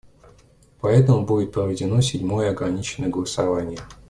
Поэтому будет проведено седьмое ограниченное голосование.